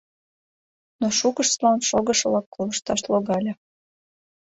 Но шукыштлан шогышылак колышташ логале.